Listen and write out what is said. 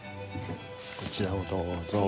こちらをどうぞ。